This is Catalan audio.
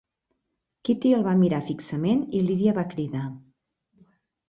Kitty el va mirar fixament, i Lydia va cridar.